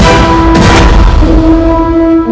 aku akan menang